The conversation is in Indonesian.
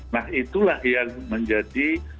nah itulah yang menjadi